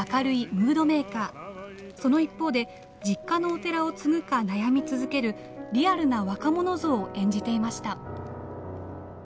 その一方で実家のお寺を継ぐか悩み続けるリアルな若者像を演じていました。